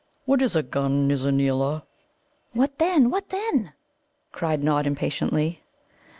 "What is a gun, Nizza neela?" "What then what then?" cried Nod impatiently.